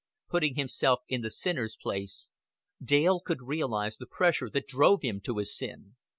Putting himself in the sinner's place, Dale could realize the pressure that drove him to his sin.